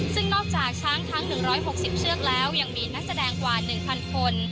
ซึ่งนอกจากช้างทั้ง๑๖๐เชือกแล้วยังมีนักแสดงกว่า๑๐๐คน